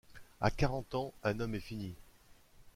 À quarante ans, un homme est fini.